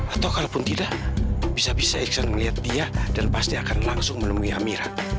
atau kalaupun tidak bisa bisa iksan melihat dia dan pasti akan langsung menemui amira